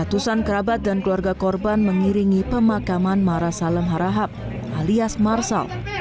ratusan kerabat dan keluarga korban mengiringi pemakaman mara salem harahap alias marsal